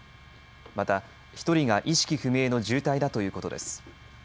また１人が意識不明の重体だということです。